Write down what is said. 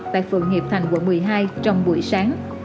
tại phường hiệp thành quận một mươi hai trong buổi sáng